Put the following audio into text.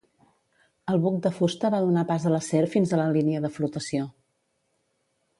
El buc de fusta va donar pas a l'acer fins a la línia de flotació.